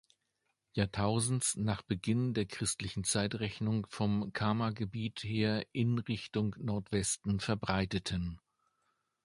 Jahrtausends nach Beginn der christlichen Zeitrechnung vom Kama-Gebiet her in Richtung Nordwesten verbreiteten.